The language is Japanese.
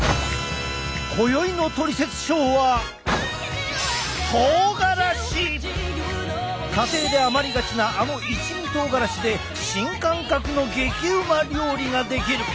今宵の「トリセツショー」は家庭で余りがちなあの一味とうがらしで新感覚の激うま料理ができる！